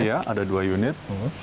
iya ada dua unit